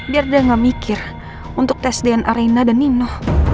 biar dia gak mikir untuk tes dnareina dan nino